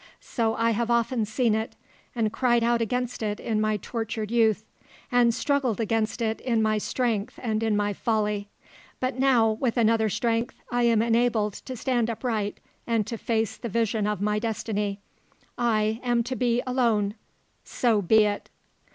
So I have often seen it, and cried out against it in my tortured youth, and struggled against it in my strength and in my folly. But now, with another strength, I am enabled to stand upright and to face the vision of my destiny. I am to be alone. So be it."